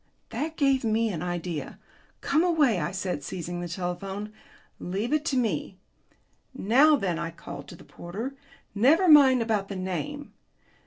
That gave me an idea. "Come away," I said, seizing the telephone; "leave it to me. Now, then," I called to the porter. "Never mind about the name.